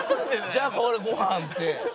「じゃあこれご飯」って。